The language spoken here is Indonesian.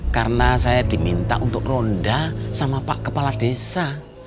karena saya diminta untuk ronda sama pak kepala desa